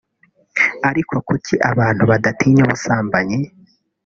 Ariko kuki abantu badatinya ubusambanyi